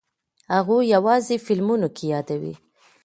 هغوی یوازې فلمونو کې یې یادوي.